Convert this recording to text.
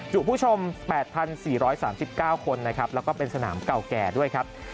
ผู้ชม๘๔๓๙คนนะครับแล้วก็เป็นสนามเก่าแก่ด้วยครับ